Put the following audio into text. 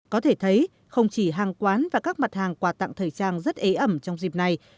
có thể thấy không chỉ hàng quán và các mặt hàng quà tặng thời trang rất ế ẩm trong dịp này